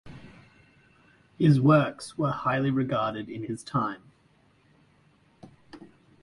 His works were highly regarded in his time.